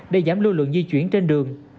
để giảm lưu lượng di chuyển trên đường